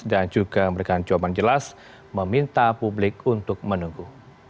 dan juga memberikan jawaban jelas meminta publik untuk menunggu